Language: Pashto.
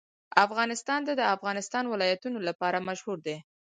افغانستان د د افغانستان ولايتونه لپاره مشهور دی.